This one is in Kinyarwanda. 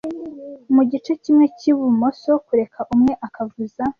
Mugice kimwe cyubuso, kureka umwe akavuza